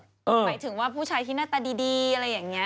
หมายถึงว่าผู้ชายที่หน้าตาดีอะไรอย่างนี้